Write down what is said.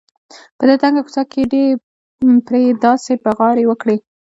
په دې تنګه کوڅه کې یې پرې داسې بغارې وکړې.